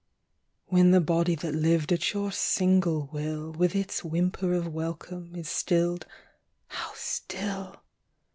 When the body that lived at your single will When the whimper of welcome is stilled (how still!)